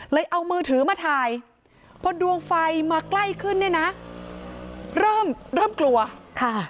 เอามือถือมาถ่ายพอดวงไฟมาใกล้ขึ้นเนี่ยนะเริ่มเริ่มกลัวค่ะ